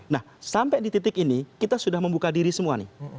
nah sampai di titik ini kita sudah membuka diri semua nih